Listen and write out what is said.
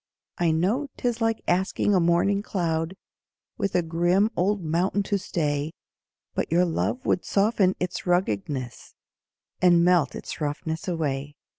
I know 'tis like asking a morning cloud With a grim old mountain to stay, But your love would soften its ruggedness, And melt its roughness away.